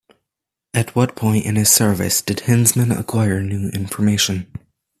At what point in his service did Hinzman acquire new information?